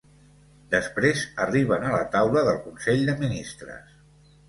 Després arriben a la taula del consell de ministres.